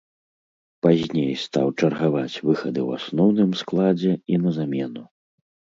Пазней стаў чаргаваць выхады ў асноўным складзе і на замену.